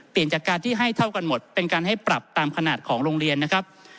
จากการที่ให้เท่ากันหมดเป็นการให้ปรับตามขนาดของโรงเรียนนะครับ